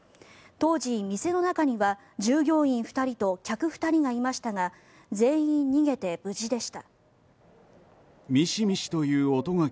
当時、店の中には従業員２人と客２人がいましたが全員逃げて無事でした。